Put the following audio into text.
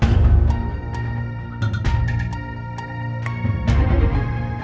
kita bersaing secara kebaikan